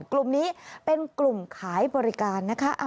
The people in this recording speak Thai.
กลุ่มนี้เป็นกลุ่มขายบริการนะคะ